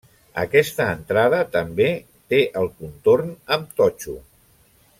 Aquesta entrada també té el contorn amb totxo.